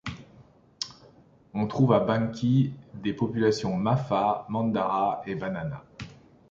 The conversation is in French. On trouve à Banki des populations Mafa, Mandara et Banana.